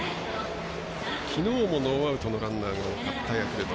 きのうもノーアウトのランナーが多かったヤクルト。